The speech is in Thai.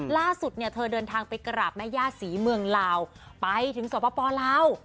ล่าสุดเนี่ยเธอเดินทางไปกราบแม่ย่าศรีเมืองลาวไปถึงสปลาว